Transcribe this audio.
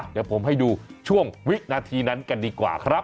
เดี๋ยวผมให้ดูช่วงวินาทีนั้นกันดีกว่าครับ